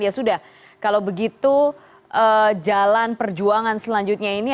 ya sudah kalau begitu jalan perjuangan selanjutnya ini